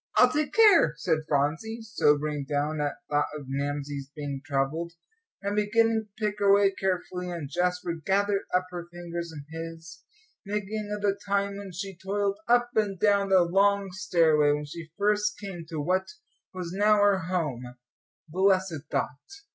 "I'll take care," said Phronsie, sobering down at thought of Mamsie's being troubled, and beginning to pick her way carefully. And Jasper gathered up her fingers in his, thinking of the time when she toiled up and down the long stairway, when she first came to what was now her home, blessed thought!